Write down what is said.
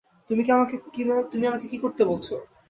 তুমি আমাকে কি করতে বলছো?